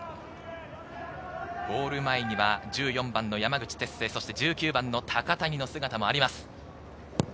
ゴール前には１４番の山口輝星、１９番の高谷の姿もあります。